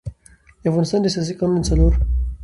د افغانستان د اساسي قـانون د څلور